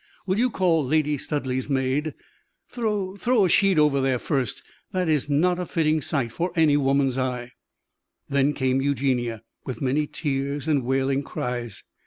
Will you call Lady Studleigh's maid. Throw throw a sheet over there first; that is not a fitting sight for any woman's eye." Then came Eugenie, with many tears and wailing cries.